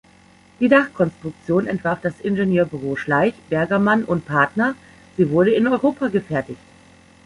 Die Dachkonstruktion entwarf das Ingenieurbüro Schlaich, Bergermann und Partner; sie wurde in Europa gefertigt.